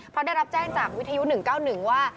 เพราะได้รับแจ้งจากวิทยุ๑๙๑ว่า